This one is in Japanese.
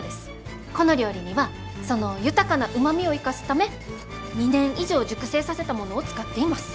この料理にはその豊かなうまみを生かすため２年以上熟成させたものを使っています。